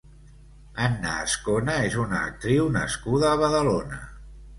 Anna Azcona és una actriu nascuda a Badalona.